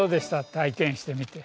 体験してみて。